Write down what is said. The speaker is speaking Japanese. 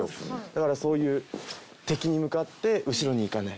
だからそういう敵に向かって後ろに行かない。